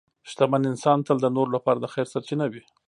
شتمن انسان تل د نورو لپاره د خیر سرچینه وي.